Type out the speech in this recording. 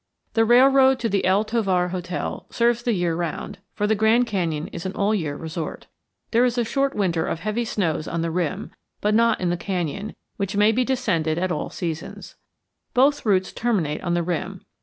The railroad to the El Tovar Hotel serves the year around, for the Grand Canyon is an all year resort. There is a short winter of heavy snows on the rim, but not in the canyon, which may be descended at all seasons. Both routes terminate on the rim.